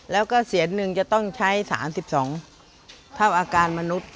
แล้วก็เสียนหนึ่งจะต้องใช้๓๒เท่าอาการมนุษย์